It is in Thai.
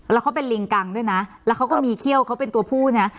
แล้วเขาเป็นลิงกังด้วยนะแล้วเขาก็มีเขี้ยวเขาเป็นตัวผู้เนี่ย